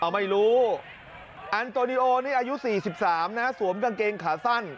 ไม่รู้อันโตนิโอนี่อายุ๔๓นะสวมกางเกงขาสั้น